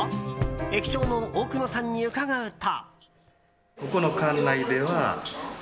駅長の奥野さんに伺うと。